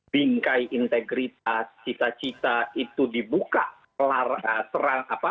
bingkai integritas cita cita itu dibuka